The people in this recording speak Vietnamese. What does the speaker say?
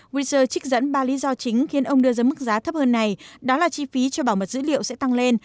wecher trích dẫn ba lý do chính khiến ông đưa ra mức giá thấp hơn này đó là chi phí cho bảo mật dữ liệu sẽ tăng lên